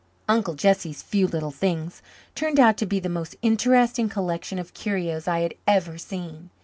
Uncle Jesse's "few little things" turned out to be the most interesting collection of curios I had ever seen.